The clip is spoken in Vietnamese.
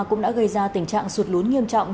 cũng đã gây ra tình trạng sụt lún nghiêm trọng